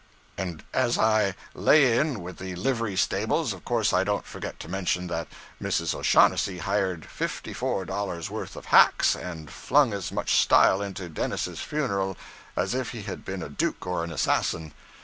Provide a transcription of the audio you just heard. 'And as I lay in with the livery stables, of course I don't forget to mention that Mrs. O'Shaughnessy hired fifty four dollars' worth of hacks and flung as much style into Dennis's funeral as if he had been a duke or an assassin.